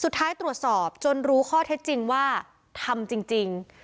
สุดท้ายตรวจสอบจนรู้ข้อเท็จจริงว่าทำจริง